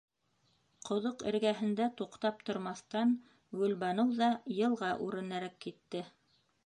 Ҡоҙоҡ эргәһендә туҡтап тормаҫтан, Гөлбаныу ҙа йылға үренәрәк китте.